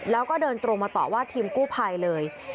แล้วก็เดินตรงมาต่อว่าทีมกู้ภัยเลย